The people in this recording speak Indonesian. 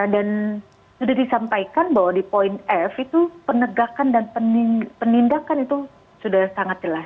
dan sudah disampaikan bahwa di point f itu penegakan dan penindakan itu sudah sangat jelas